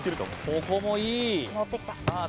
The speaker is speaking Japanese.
ここもいいさあ